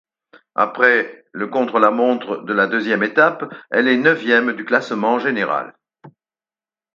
Après le contre-la-montre de la deuxième étape, elle est neuvième du classement général.